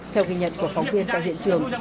theo ghi nhận của phóng viên tại hiện trường